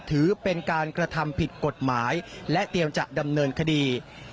ถือเป็นการกระทำผิดกฎหมายและเตรียมจะดำเนินคดี